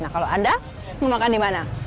nah kalau anda mau makan di mana